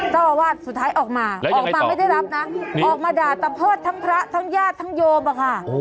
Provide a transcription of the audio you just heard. เจ้าอาวาสสุดท้ายออกมาออกมาไม่ได้รับนะออกมาด่าตะเพิดทั้งพระทั้งญาติทั้งโยมอะค่ะ